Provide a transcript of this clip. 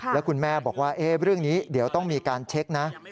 แล้วคุณแม่บอกว่าเรื่องนี้เดี๋ยวต้องมีการเช็คนะ